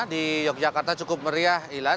di yogyakarta cukup meriah ila